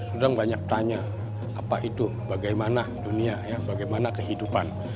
sedang banyak bertanya apa itu bagaimana dunia bagaimana kehidupan